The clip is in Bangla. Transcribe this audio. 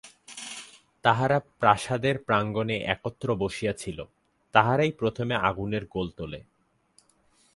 তাহারা প্রাসাদের প্রাঙ্গণে একত্র বসিয়াছিল, তাহারাই প্রথমে আগুনের গোল তোলে।